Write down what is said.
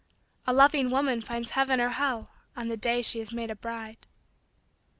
A loving woman finds heaven or hell On the day she is made a bride.